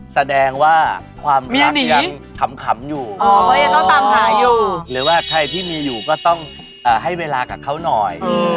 แสดงว่าความรักยังขำอยู่หรือว่าใครที่มีอยู่ก็ต้องให้เวลากับเขาน่อย